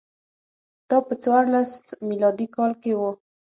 دا په څوارلس میلادي کال کې و